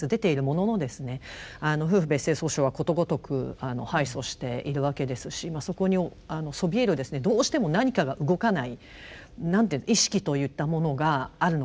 夫婦別姓訴訟はことごとく敗訴しているわけですしそこにそびえるですねどうしても何かが動かないなんて言う意識といったものがあるのかなと。